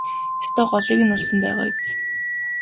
Ёстой голыг нь олсон байгаа биз?